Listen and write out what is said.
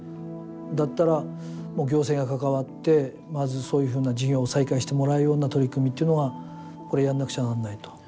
だったら行政が関わってまず、そういうふうな事業を再開してもらうような取り組みというのはやらなくちゃならないと。